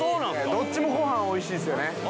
◆どっちもごはん、おいしいですよね。